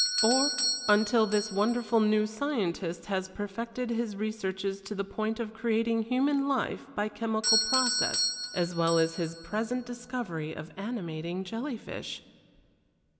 Or until this wonderful new scientist has perfected his researches to the point of creating human life by chemical process, as well as his present discovery of animating jellyfish!